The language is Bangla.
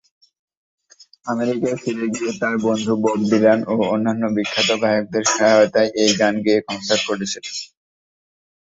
আমেরিকায় ফিরে গিয়ে তার বন্ধু বব ডিলান ও অন্যান্য বিখ্যাত গায়কদের সহায়তায় এই গান গেয়ে কনসার্ট করেছিলেন।